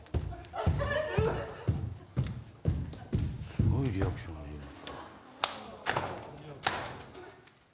すごいリアクションええな。